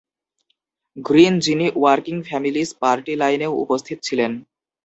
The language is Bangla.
গ্রীন, যিনি ওয়ার্কিং ফ্যামিলিস পার্টি লাইনেও উপস্থিত ছিলেন।